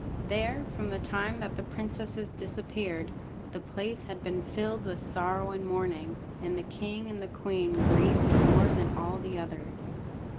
There, from the time that the princesses disappeared, the place had been filled with sorrow and mourning, and the king and the queen grieved more than all the others.